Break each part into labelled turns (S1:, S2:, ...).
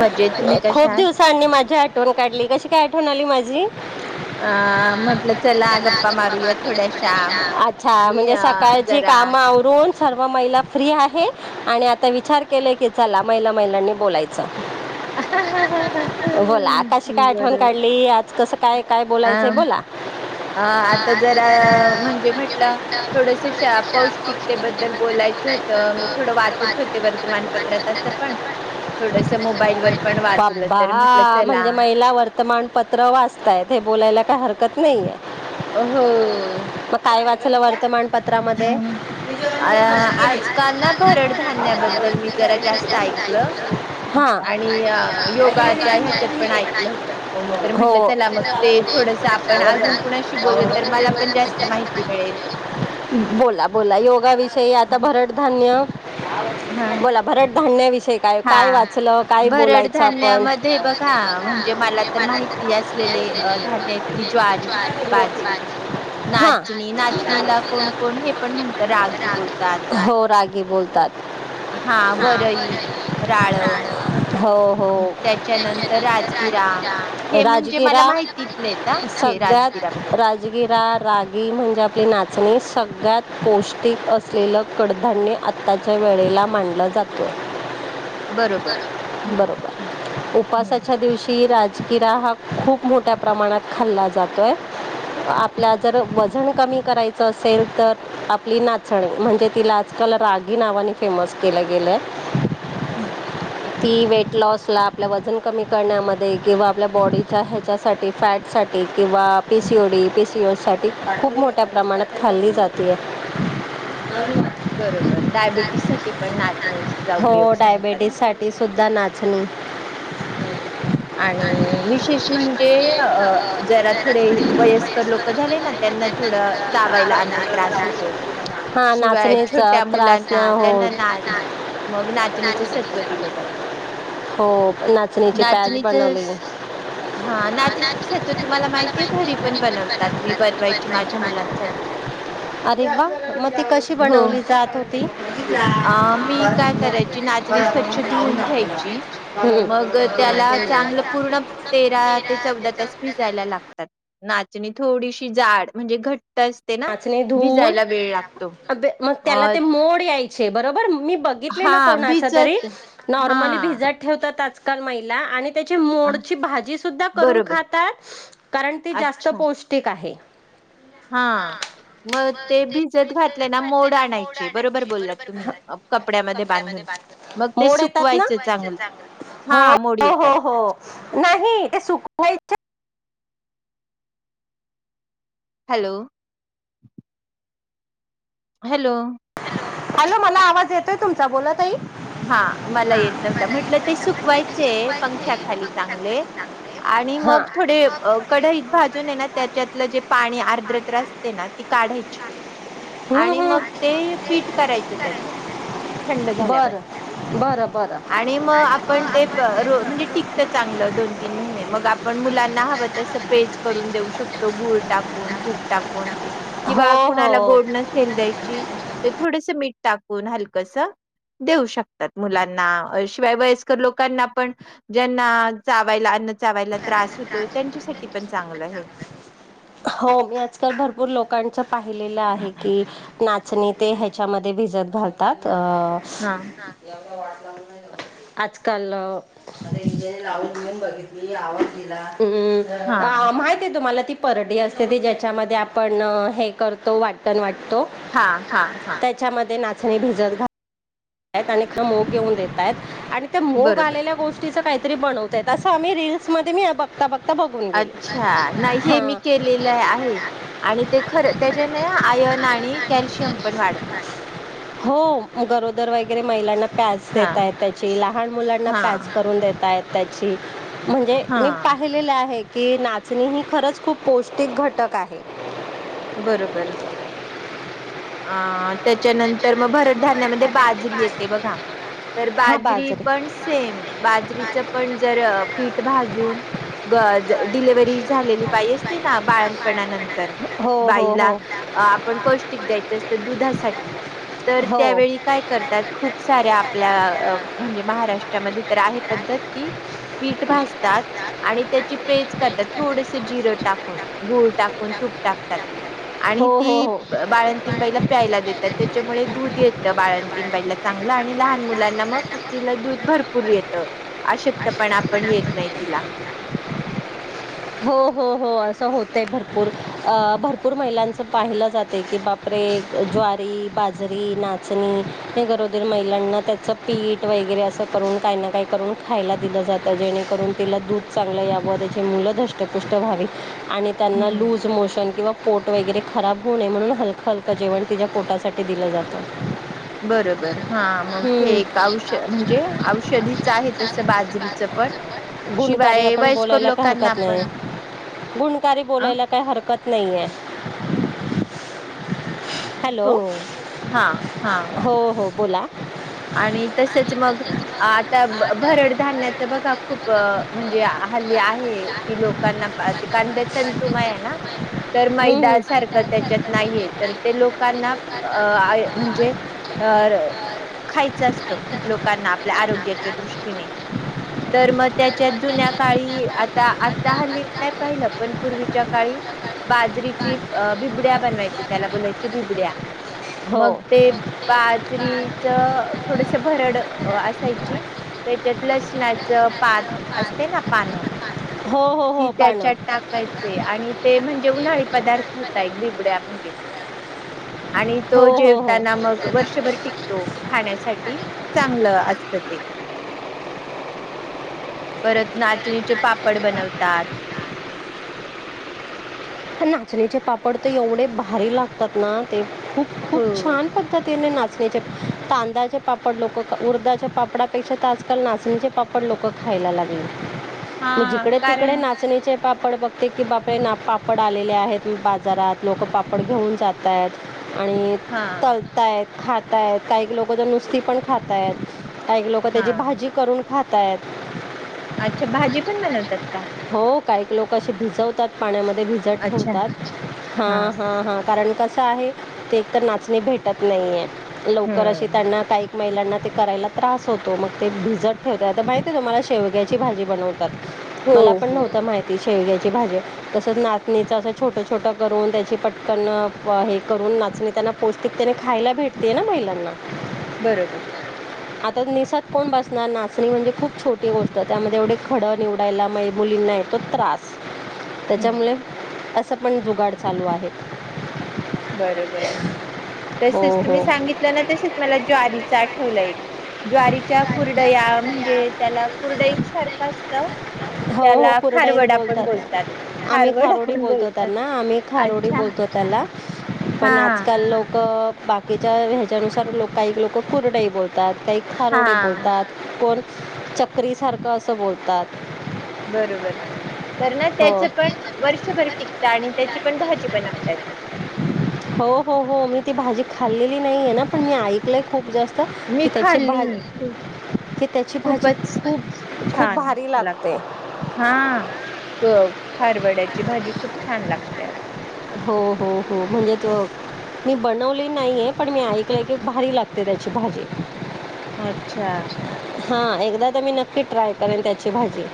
S1: मजेत तुम्ही
S2: खूप
S1: कशा आहात?
S2: दिवसांनी माझी आठवण काढली कशी काय आठवण आली माझी
S1: अ म्हटलं चला गप्पा मारूया थोड्याशा
S2: [inaudible] अच्छा
S1: मी
S2: म्हणजे
S1: अ
S2: सकाळची
S1: जरा
S2: काम म आवरून सर्व महिला फ्री आहे आणि आता विचार केले की चला महिला महिलांनी बोलायचं बोला! कशी काय
S1: बरोबर
S2: आठवण काढली आज कसं काय काय
S1: अ
S2: बोलायचंय बोला
S1: अ आता जरा म्हणजे म्हटलं थोडस पौष्टिकतेबद्दल बोलायचं होत मी थोडं वाचत होते वर्तमानपत्रात असं पण थोडस मोबाईलवर पण वाचलं तर म्हटलं
S2: बापा
S1: चला
S2: म्हणजे महिला वर्तमानपत्र वाचताय ते बोलायला काय हरकत नाहीे
S1: हो हो
S2: चला वर्तमान पत्रामध्ये [inaudible]
S1: अ आजकाल ना भरड धान्याबद्दल मी जरा जास्त ऐकलं
S2: [inaudible] हा
S1: आणि अ, योगाच्या ह्याच्यात पण ऐकलं होतं. तर
S2: [inaudible] हो
S1: म्हटलं चला मग ते थोडस आपण अजून कुणाशी बोलल तर मला पण जास्त माहिती मिळेल.
S2: [inaudible] बोला बोला योगाविषयी आता भरडधान्य
S1: हा.
S2: बोला भरड धानण्याविषयी काय काय
S1: हा.
S2: वाचलं काय
S1: भरड
S2: बोलायचं आपण [inaudible]
S1: धान्यामध्ये बघा धान्याची
S2: पण
S1: ज्वारी, बाजरी
S2: बाजरी हां
S1: नाचणी नाचणीला कोण कोण हे पण म्हणत रागी बोलतात.
S2: कोण हे पण रागी हो रागी बोलतात
S1: हा वरई,
S2: वरळी
S1: राळ
S2: डाळ हो हो त्याच्यानंतर राजगिरा
S1: हे म्हणजे मला
S2: राजगिरा
S1: माहितीतलेत हा
S2: [inaudible]
S1: हे राजगिरा
S2: सगळ्यात
S1: वगैरे.
S2: राजगिरा रागी म्हणजे आपली नाचणी सग ळ्यात पौष्टिक असलेलं कडधान्य आत्ताच्या वेळेला मानलं जातं.
S1: बरोबर. हं, हं,
S2: बरोबर
S1: हं,
S2: उपासाच्या दिवशी राज गीरा हा खूप मोठ्या प्रमाणात खाल्ला जातोय. आपल्या जर वजन कमी करायचं असेल तर आपली नाचणी म्हणजे ती लाच त्याला रागी नावाने फेमस केलं गेलंय.
S1: हम
S2: ती वेट लॉस ला आपल्या वजन कमी करण्यामध्ये किंवा आपल्या बॉडीच्या ह्याच्यासाठी फॅट सा किंवा P C O D, P C O S साठी खूप मोठ्या प्रमाणात खाल्ली जातीये. [inaudible]
S1: बरोबर डायबिटीस साठी पण नाचणीचा उपयोग
S2: हो
S1: सांगतात
S2: डायबेटीजसाठी सुुद्धा नाचणी
S1: आणि विशेष म्हणजे
S2: अ,
S1: जरा थोडे
S2: थोडी
S1: वयस्कर लोक
S2: लोकं
S1: झाले ना त्यांना थोड
S2: थोडं
S1: चावायला
S2: थांबायला
S1: अन्न
S2: आणि
S1: त्रास होतो.
S2: हा
S1: शिवाय
S2: नाचणीचा
S1: छोट्या
S2: त्रास नाही
S1: मुलांना
S2: होत.
S1: त्यांना ना मग
S2: नाच
S1: ना नाचनीच
S2: नाचणीची
S1: सत्व
S2: सरबत
S1: दिलं जात
S2: बनवते.
S1: ना
S2: आज बनवलेली
S1: हा नाचणीच सत्व तुम्हाला माहितीय घरी पण बनवतात मी बनवायची माझ्या मुलांसाठी.
S2: अरे वा! मग ती कशी
S1: हो.
S2: बनवली जात होती हम्म.
S1: अ मी काय करायची नाचणी स्वछ
S2: त्याला
S1: धुऊन
S2: चांगलं
S1: घ्याची
S2: पूर्ण
S1: मग त्याला
S2: पेरा
S1: चांगलं पूर्ण तेरा ते चौदा
S2: त्याच्या
S1: तास भिजायला लागतात, नाचणी थोडीशी जाड म्हणजे घट्ट असते ना
S2: नाचणी धुवून
S1: भिजायला वेळ लागतो.
S2: मग
S1: अ
S2: त्याला ते मोड याय चे बरोबर मी
S1: हा
S2: बघितलेलं कोणाचं तरी
S1: भिजत
S2: नॉर्मली
S1: हा
S2: भिजत ठेवतात. आज काल महिला आणि त्याची मोडची भाजी सुद्धा करून
S1: बरोबर
S2: खातात कारण ती जास्त
S1: अच्छा
S2: पौष्टिक आहे.
S1: हा! मग ते भिजत घातले ना मोड आणायचे बरोबर बोललात तुम्ही कपड्यामध्ये बांधून. मग ते
S2: मोड येतात ना!
S1: सुकवायचं चांगलं हा मोड
S2: हो हो
S1: येतात
S2: हो नाही सुखवायचे
S1: हॅलो! हॅलो!
S2: हॅलो मला आवाज येतोय तुमचा बोला ताई
S1: हा मला
S2: हा
S1: येत नव्हता
S2: मला
S1: म्हटलं
S2: येतं
S1: ते
S2: आता. म्हणलं ते
S1: सुकवायचे
S2: सुकवायचे
S1: पंख्या खाली चांगले,
S2: पंख्याखाली चांगले
S1: आणि
S2: हा
S1: मग
S2: आणि
S1: थोडे
S2: मग थोडे
S1: कढईत भाजून ये
S2: कढई
S1: ना त्याच्यातलं
S2: काढून
S1: जे पाणी
S2: त्याच्यात पाणी
S1: आर्द्रत्र असते
S2: आलं
S1: ना! ती काढायची आणि
S2: हम्म हम्म
S1: मग ते,
S2: मग
S1: पीठ करायचं त्याचं थंड झाल्यावर
S2: बर!
S1: आणि म आपण ते प रो म्हणजे टिकत
S2: रोपटे पिकलं
S1: चांगलं दोन
S2: पाहिजे.
S1: तीन महिने मग आपण मुलांना हव तसं पेज करून देऊ शकतो गुळ टाकुन तुप टाकून
S2: हो
S1: किंवा कुणाला
S2: हो
S1: गोड
S2: टाकून
S1: नसेल द्यायची तर थोडसं मीठ टाकुन हलकसं देऊ शकता मुलाना शिवाय वयस्कर लोकांना पण ज्यांना चावायला अन चावायला त्रास होतो, त्यांच्यासाठी पण चांगलं हे
S2: हो मी आजकाल भरपूर लोकांच्या पाहिलेलं आहे की, नाचणी ते ह्याच्यामध्ये भिजत घालतात अ
S1: हा
S2: ह [unintelligible] आजकाल अं मी आवाज दिला...
S1: हा
S2: हम् माहितये तुम्हाला? ती परडी असते ती ज्याच्यामध्ये आपण हे करतो वाटण वाटण-
S1: हा हा हा
S2: त्याच्यामध्ये नाचणी भिजत घाल अनेक मोग येऊन येतात आणि त्या मोग
S1: बरोबर
S2: आलेल्या गोष्टीच काय बनवता येतात, असं आम्ही रील्स मध्ये... मी बघता बघता बघून गेले
S1: अच्छा नाही हे मी
S2: हां ते
S1: केलेलं
S2: पण
S1: आहे आणि ते खरं
S2: केलेलं आहे
S1: त्याच्या
S2: आणि- आणि
S1: नाही
S2: ते खरं
S1: आयन
S2: त्याच्यात
S1: आणि
S2: आयन
S1: कॅल्शियम
S2: आणि
S1: पण वाढतं
S2: सॅलिश हो... गरोदर वगैरे महिलांना पॅज
S1: हा
S2: देत आहेत त्याची लहान मुलांना
S1: हा
S2: पॅज करून देत आहेत त्याची. म्हणजे मी
S1: हा
S2: पाहिलेले आहे... की नाचणी ही खरंच खूप पौष्टिक घटक आहे-
S1: बरोबर अ त्याच्यानंतर मग भरड धान्यामध्ये
S2: वरण भातामध्ये
S1: बाजरी येते
S2: घेतली
S1: बघा-
S2: मी
S1: तर
S2: भाजी. हां
S1: बाजरी पण सेम
S2: बाजरीचं म्हटलं
S1: बाजरीच
S2: भाजी
S1: पण जर
S2: डिलिव्हरी
S1: पीठ भाजून ग डिलिव्हरी झालेली बाई
S2: झालीच
S1: असते ना
S2: पाहिजे बाळंतपणात
S1: बापणानंतर
S2: आपलं. हो हो हो
S1: बाईला
S2: आता,
S1: आपण
S2: अं,
S1: पौष्टिक द्यायचं असतं
S2: मध्ये मुलं
S1: दुधासाठी
S2: असतात.
S1: तर
S2: हो
S1: त्यावेळी
S2: तर
S1: काय करतात खूप साऱ्या आपल्या म्हणजे महाराष्ट्रामध्ये तर आहे
S2: त्रास
S1: पद्धत की....
S2: असतात
S1: पीठ भजतात-
S2: भाजतात आणि त्याची पेज करतात थोडीशी चिकन टाकून गूळ
S1: तूप
S2: टाकून मीठ
S1: टाकतात
S2: हो
S1: आणि
S2: हो
S1: ती
S2: हो
S1: बाळंतीण
S2: बाळाला
S1: बाईला प्यायला देतात
S2: झोपायला
S1: त्याच्यामुळे दुध येतं त्या
S2: प्यायला
S1: बाळंतीण
S2: नाही घातलं
S1: मग
S2: तर आपल्या मुलींना बाळाला झोपायला चांगलं
S1: तिला दुध
S2: आणि लहान
S1: भरपूर
S2: मुलांना
S1: येतं,
S2: पण
S1: अशक्तपणा पाण्यात नाही
S2: पण
S1: तिला
S2: येतो. [unintelligible] हो हो हो असं होतय भरपुर अ भरपुर महिलांच पाहिलं- हे ज्वारी, बाजरी, नाचणी हे गरोदर महिलांना त्याच पीठ वगैरे ते असं करून, काही ना काही करून खायला दिलं जातं, जेणे करून तिला दुध चांगलं यावं, त्याचे मुलं धष्टपुष्ट धष्टपुष्ट व्हावे आणि त्यांना लूज
S1: हम्म
S2: मोशन किंवा पोट वगैरे खराब होऊ नये म्हणून हलकं हलकं जेवण तिच्या पोटासाठी दिलं जातं
S1: बरोबर हा
S2: हां,
S1: मग हे
S2: हं. ही
S1: एक औषध म्हणजे औषधीच आहे
S2: एक
S1: तसं
S2: त्याचे
S1: बाजरीच
S2: बाजरीचं पण गुणकारी
S1: शिवाय
S2: आपण
S1: वयस्कर
S2: बोलायला काही
S1: लोकांना
S2: हरकत नाही
S1: पण
S2: गुणकारी
S1: अ
S2: बोलायला काय हरकत नाही ये हॅलो
S1: हो हा हा
S2: हो हो बोला
S1: आणि तसेच मग
S2: तसेच
S1: आता
S2: मग
S1: भरड
S2: भरण
S1: धान्याचा बघा
S2: घालण्याचं
S1: खूप
S2: मग आपण जे
S1: म्हणजे हल्ली
S2: आहार
S1: आहे
S2: जे
S1: कि
S2: आहेत म्हणजे
S1: लोकांना पाहते कारण ते
S2: भरण घालण्यासाठी
S1: तंतुमय ना तर मैद
S2: हम्म अ, हम्म मैदा
S1: सारखं त्याच्यात
S2: सारखं
S1: नाहीये
S2: वगैरे
S1: तर
S2: नाही
S1: ते लोकांना अ म्हणजे
S2: आ-
S1: तर
S2: अ,
S1: खायचं असतं
S2: खायचं
S1: खूप लोकांना
S2: असतं
S1: आपल्या
S2: लोकांना आपल्या
S1: आरोग्याच्या दृष्टीने
S2: आरोग्यासाठी
S1: तर मग त्यांच्यात जुन्या काळी आता आता हल्ली मी नाही पाहिलं पण पूर्वीच्या काळी बाजरीची
S2: बासरी
S1: बिबड्या
S2: अ,
S1: बनवायचे
S2: विद्या
S1: त्याला
S2: आंबेडकरांचं
S1: बोलायची
S2: नाव
S1: बिबड्या
S2: होतं. मीडिया, हो
S1: मग ते
S2: बासरीचं पान
S1: बाजरीच थोडस भरड असाय ची त्याच्यात लसणाचं पात
S2: पान
S1: असते ना पानं
S2: असते ना पानं, हो हो
S1: ती
S2: हो पानं
S1: त्याच्यात टाकायचे
S2: टाकायची
S1: आणि ते म्हणजे उन्हाळी
S2: म्हणजे
S1: पदार्थ
S2: गणपणात
S1: होता
S2: टाकायचं.
S1: ण आणि तो
S2: हो हो आणि हो
S1: जेवताना मग
S2: चोचला
S1: वर्षभर
S2: वगैरे अशी
S1: टिकतो,
S2: मस्त
S1: खाण्या
S2: खाण्यासाठी.
S1: चांगलं असत ते,
S2: टाकतो.
S1: परत नाचणीचे पापड बनवतात.
S2: नाचणीचे पापड तर एवढे भारी लागतात ना! ते, खूप खूप
S1: हो
S2: छान पद्धतीने ना चणीचे तांदळाचे पापड लोक उर्धच्या पापडापेक्षा आजकाल नाचणीचे पापड लोकं खा [unintelligible]
S1: हां,
S2: जडे
S1: कारण
S2: तिकडे नाचण्याचे पापड बघते की बापरे! पापड आलेले आहेत, बाजारात लोक पापड घेऊन जात आहेत. आणि
S1: हां,
S2: तलतायत खातायत काही लोक तर नुसती पण खाता येत. का लोक त्याची
S1: हां.
S2: भाजी करून खातयत,
S1: अच्छा! भाजी पण बनवतात का?
S2: काहीक लोक असे भिजवतात पाण्यामध्ये वजट
S1: अच्छा,
S2: होवतात हां हां हां कारण कसं आहे. ते तर नाचणे भेटत नाहीये, लवकर अशी
S1: हं.
S2: त्यांना काही महिलांना ते करायला त्रास होतो, मग ते भिजत ठेवतात आता माहिती आहे तुम्हाला शेवग्याची भाजी बनवतात.
S1: हो,
S2: मला पण
S1: हो.
S2: नव्हतं माहिती शेवग्याची भाजी तसंच नाचणीचं असं छोटं छोटं करून त्याची पटकन हे करून नाचणी त्यांना पौष्टिकतेने, खायला भेटते ना महिलांना.
S1: बरोबर!
S2: आता निसात कोण बसणार नाचणी म्हणजे, खूप छोटी गोष्ट त्यामध्ये एवढे खडं निवडायला मु नाही तो त्रास
S1: हं.
S2: त्याच्यामुळे असं पण जुगाड चालू आहे.
S1: बरोबर!
S2: हो
S1: तसेच तुम्ही
S2: हो
S1: सांगितलं ना तसेच मला ज्वारी, ठेवलं ज्वारीच्या
S2: गाडीला
S1: कुरडया म्हणजे त्याला कुरडई सारखं असत.
S2: कुरडया बोलताना कुठल्याही गोष्टीला हो हो
S1: त्याला
S2: कुरडाईच
S1: खारवड आपण बोलतात.
S2: आम्ही
S1: खारवडा
S2: खारोडी
S1: पण
S2: बोलतो
S1: बोलतात.
S2: त्यांना आम्ही खारोडी
S1: अच्छा.
S2: बोलतो त्याला पण
S1: हां,
S2: आजकाल लोक बाकीच्या ह्याच्यानुसार लोक काही लोक कुरडही बोलतात काही ारोडे
S1: हां.
S2: बोलतात को चक्रीसारखं असं बोलतात
S1: बरोबर तर ना
S2: हो
S1: त्याच पण वर्षभर टिकत आणि
S2: त्याचं
S1: त्याची पण भाजी बनवता येत
S2: हो हो हो मी ती भाजी खाल्लेली नाही आहे ना पण मी ऐकलं आहे खूप जास्त की त्याची भाज
S1: अच्
S2: की त्याची भाजी
S1: खूपच
S2: खूप खूप
S1: छान
S2: भारी
S1: लागते हा खारवड्याची भाजी खूप छान लागते
S2: हो हो हो म्हणजे त मी बनवली नाही आहे पण मी ऐकलंय की भारी लागते त्याची भाजी
S1: अच्छा
S2: ह एकदा तर मी नक्की ट्राय करेन त्याची भाजी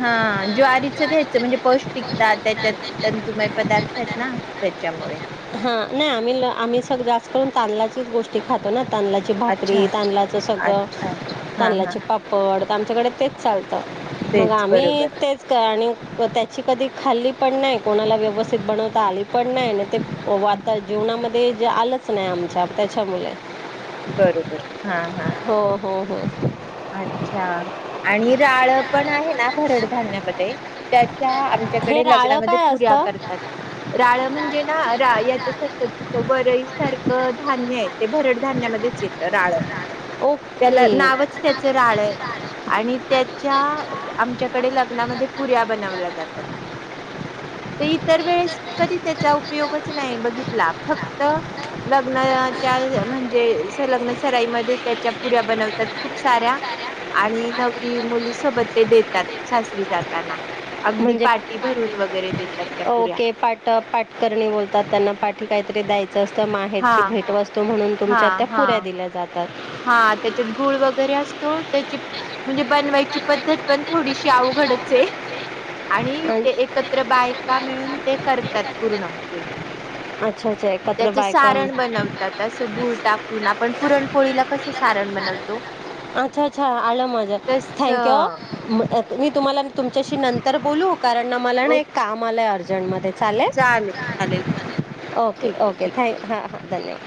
S1: हा ज् आरीचं घ्यायचं
S2: ज्वारीचं
S1: म्हणजे पौष्टिकता
S2: पौष्टिक डाळ
S1: त्याच्यात
S2: त्याच्यानंतर
S1: तंतुमय
S2: मुबई
S1: पदार्थ आहेत
S2: थोडा
S1: ना त्याच्यामुळेळे
S2: त्याच्यामुळे नाही आम्ही आम्ही सग जा करून तांदळाचीच गोष्टी खातो ना तांदळाची
S1: अच्छा,
S2: भाकरी तांद
S1: अच्छा. हां, हां.
S2: तांदळाचे पापड वाडत आमच्याकडे तेच चालतं मग
S1: तेच
S2: आम्ही
S1: बरोबर,
S2: तेच क आणि त्याची कधी खाल्ली पण नाही कोणाला व्यवस्थित बनवता आली पण नाही ते वा जीवनामध्ये आ च नाही आमच्या त्याच्यामुळे
S1: बरोबर हा हा हा
S2: ह
S1: अच्छा आणि राळ पण आहे ना भरडधान्यामध्ये त्याच्या आमच्या
S2: हे
S1: डे
S2: राळं
S1: लग्नामध्ये
S2: काय
S1: पुूऱ्या
S2: असतं
S1: करतात राळ म्हणजे ना रा याच्यासारखं दिसत वरईसारखं धान्य आहे ते भरड येत राळ त्याला
S2: ओके
S1: नावच त्याच राळ आहे आणि त्याच्या आमच्याकडे लग्नामध्ये पुऱ्या बनवल्या जातात तर इतर वेळेस मी कधी त्याचा उपयोगच नाही बघितला फक्त लग्नाच्या म्हणजे लग्न सराईमध्ये त्याच्या पुऱ्या बनवतात खूप साऱ्या आणि नवरी मुली सोबत ते देतात सासरी जाताना अगदी
S2: म्हणजे
S1: पार्टी भरून व
S2: ओके पाट पाटकर्णी बोलतात त्यांना पाठी काहीतरी द्यायचं जास्त
S1: हा
S2: माहेरची भेटवस्तू म्हणून
S1: हा
S2: तुमच्या त्या
S1: हा
S2: पुऱ्या दिल्या जातात
S1: त्या म्हणज बवा पद्धत पण थोडीशी अवघड आहे आणि ते एकत्र बायका मिळून ते करतात पूर्ण ते
S2: अच्छा अच्छा एकत्र
S1: त्याच
S2: बायका
S1: सारण बनवतात असं गुळ टाकून आपण पुरणपोळीला कस
S2: अच्छा अच्छा आलं मजा
S1: तस
S2: थँक यू मी तुम्हाला तुमच्याशी नंतर बोलू कारण ना मला ना एक काम आलंय अर्जंटमध्ये चालेल ओके
S1: ठीक आहे ठीक
S2: ओके थँक्यू हां हां धन्यवाद